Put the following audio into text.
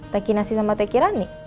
teki nasi sama teki rani